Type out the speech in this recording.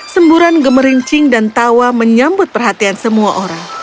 semburan gemerincing dan tawa menyambut perhatian semua orang